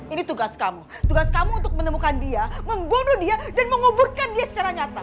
ini tugas kamu tugas kamu untuk menemukan dia membunuh dia dan menguburkan dia secara nyata